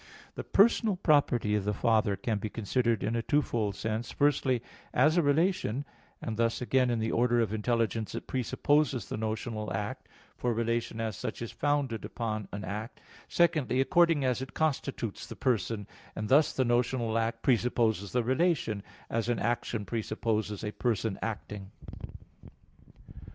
The personal property of the Father can be considered in a twofold sense: firstly, as a relation; and thus again in the order of intelligence it presupposes the notional act, for relation, as such, is founded upon an act: secondly, according as it constitutes the person; and thus the notional act presupposes the relation, as an action presupposes a person acting.